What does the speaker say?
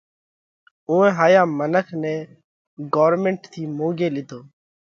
اُوئي هائيا منک نئہ ڳورمنٽ ٿِي مونڳي لِيڌو۔